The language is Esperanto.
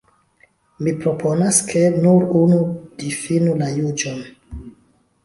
Mi proponas, ke nur unu difinu la juĝon.